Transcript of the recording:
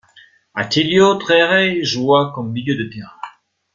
Attilio Trerè joua comme milieu de terrain.